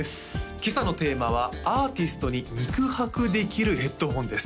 今朝のテーマは「アーティストに肉薄できるヘッドフォン」です